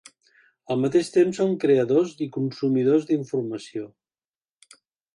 Al mateix temps som creadors i consumidors d'informació.